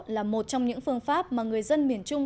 là một trong những phương pháp mà người dân miền trung